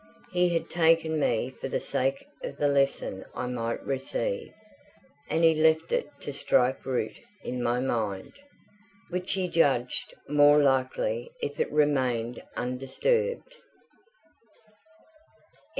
He had taken me for the sake of the lesson I might receive, and he left it to strike root in my mind, which he judged more likely if it remained undisturbed.